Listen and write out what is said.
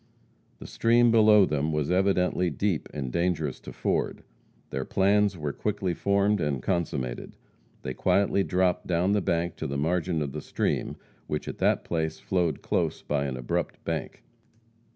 The stream below them was evidently deep and dangerous to ford. Their plans were quickly formed and consummated. They quietly dropped down the bank to the margin of the stream, which at that place flowed close by an abrupt bank.